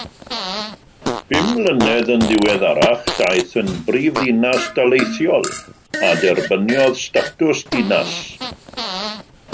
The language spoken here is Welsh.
Bum mlynedd yn ddiweddarach daeth yn brifddinas daleithiol a derbyniodd statws dinas.